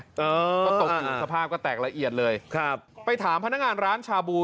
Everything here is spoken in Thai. ก็ตกอยู่สภาพก็แตกละเอียดเลยครับไปถามพนักงานร้านชาบู